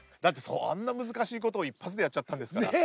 あんな難しいことを１発でやっちゃったんですからびっくりしました。